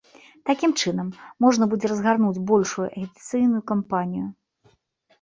Такім чынам, можна будзе разгарнуць большую агітацыйную кампанію.